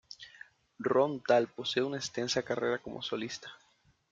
Ron Thal posee una extensa carrera como solista.